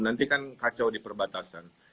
nanti kan kacau di perbatasan